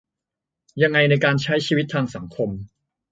ยังไงในการใช้ชีวิตทางสังคม